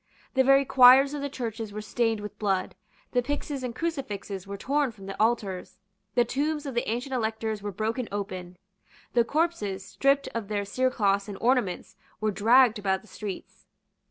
The very choirs of the churches were stained with blood; the pyxes and crucifixes were torn from the altars; the tombs of the ancient Electors were broken open; the corpses, stripped of their cerecloths and ornaments, were dragged about the streets.